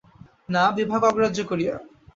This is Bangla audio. না, বিভাকে অগ্রাহ্য করিয়া।